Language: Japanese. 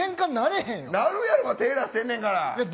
なるやろ手出してるんだから。